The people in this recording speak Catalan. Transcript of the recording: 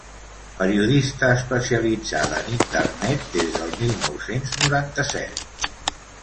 Periodista especialitzada en internet des del mil nou-cents noranta-set.